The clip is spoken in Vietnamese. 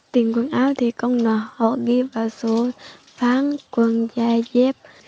tình quần áo thì không nợ họ ghi vào số phán quần giày dép